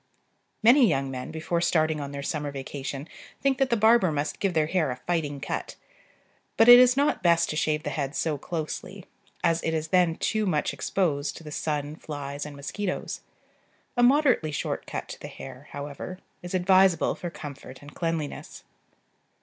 Many young men, before starting on their summer vacation, think that the barber must give their hair a "fighting cut;" but it is not best to shave the head so closely, as it is then too much exposed to the sun, flies, and mosquitoes. A moderately short cut to the hair, however, is advisable for comfort and cleanliness.